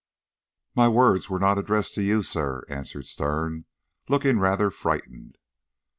"My words were not addressed to you, sir," answered Sterne, looking rather frightened.